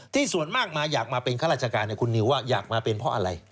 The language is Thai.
ส่วนมากมาอยากมาเป็นข้าราชการคุณนิวว่าอยากมาเป็นเพราะอะไร